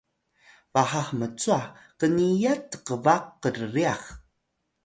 baha hmcwa qniyat tqbaq krryax